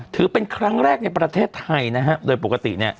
ถือเป็นครั้งแรกในประเทศไทยโดยปกติ